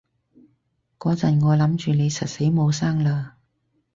嗰陣我諗住你實死冇生喇